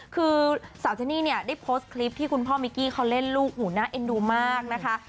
คือสาวเจนี่เนี่ยได้โพสต์คลิปที่คุณพ่อมิกกี้เขาเล่นลูกหูน่าเอ็นดูมากนะคะ